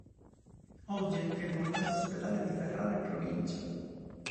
Oggi è il più importante ospedale di Ferrara e provincia.